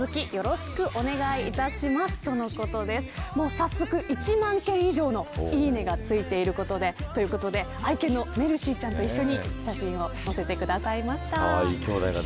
早速１万件以上のいいねがついていることということで愛犬のメルシーちゃんと一緒に写真を載せてくださいました。